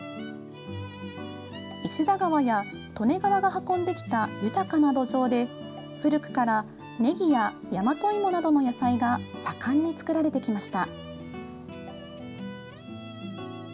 石田川や利根川が運んできた豊かな土壌で古くからねぎややまと芋などの野菜が盛んに作られてきました。